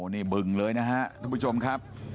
นี่บึงเลยนะครับทุกผู้ชมครับ